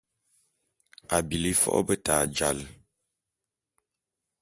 A bili fo’o beta jal .